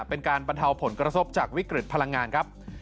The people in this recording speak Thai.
เป็นการบรรเทาผลกระทบจากวิกฤตพลังงานครับ